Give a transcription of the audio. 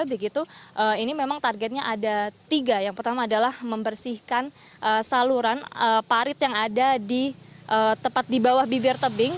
begitu ini memang targetnya ada tiga yang pertama adalah membersihkan saluran parit yang ada di tepat di bawah bibir tebing